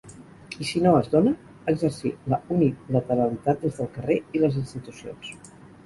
I si no es dóna, exercir la unilateralitat des del carrer i les institucions.